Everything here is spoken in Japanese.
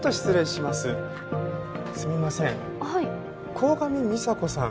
鴻上美沙子さん